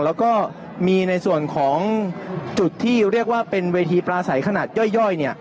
แล้วก็มีในส่วนของจุดที่เรียกว่าเป็นเวทีปลาใสขนาดย่อย